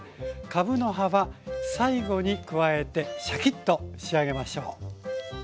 かぶの葉は最後に加えてシャキッと仕上げましょう。